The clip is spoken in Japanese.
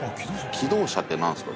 気動車ってなんですか？